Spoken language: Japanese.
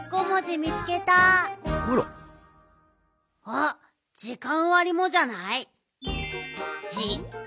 あっじかんわりもじゃない？